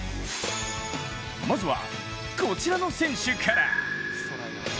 まずは、こちらの選手から。